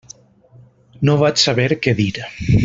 No vaig saber què dir.